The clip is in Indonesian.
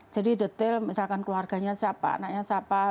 jadi detail misalkan keluarganya siapa anaknya siapa